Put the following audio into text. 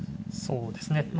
そうですね。